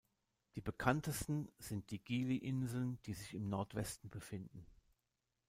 Die bekanntesten sind die Gili-Inseln, die sich im Nord-Westen befinden.